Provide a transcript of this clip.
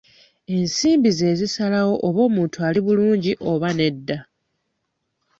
Ensimbi z'ezisalawo oba omuntu ali bulungi oba nedda.